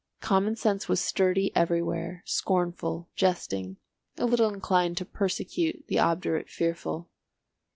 Common sense was sturdy everywhere, scornful, jesting, a little inclined to persecute the obdurate fearful.